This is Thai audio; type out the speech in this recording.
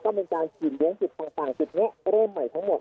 ก็เป็นการกินเลี้ยงสิทธิ์ต่างสิทธิ์นี้เร่มใหม่ทั้งหมด